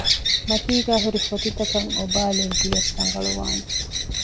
މަތީގައި ހުރިފޮތިތަކަށް އޮބާލެއްވިޔަސް ރަނގަޅުވާނެ